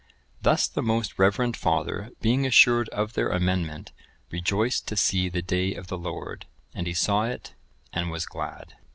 Thus the most reverend father being assured of their amendment, rejoiced to see the day of the Lord, and he saw it and was glad.